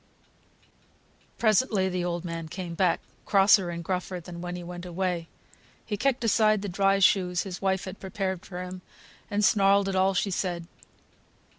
Presently the old man came back, crosser and gruffer than when he went away. He kicked aside the dry shoes his wife had prepared for him, and snarled at all she said.